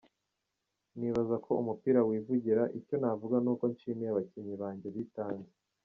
Nibaza ko umupira wivugira, icyo navuga ni uko nshimiye abakinnyi banjye bitanze.”